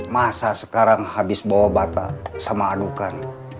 masa sekarang habis bawa bata sama adukan